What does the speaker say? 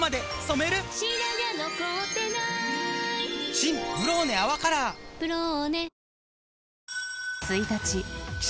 新「ブローネ泡カラー」「ブローネ」